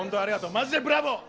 マジでブラボー！